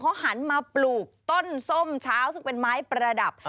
เขาหันมาปลูกต้นส้มเช้าซึ่งเป็นไม้ประดับ